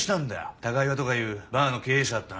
高岩とかいうバーの経営者だったな。